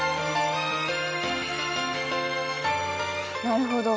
なるほど。